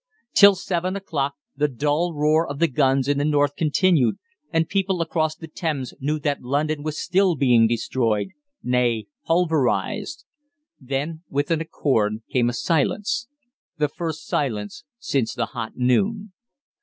Till seven o'clock the dull roar of the guns in the north continued, and people across the Thames knew that London was still being destroyed, nay, pulverised. Then with accord came a silence the first silence since the hot noon.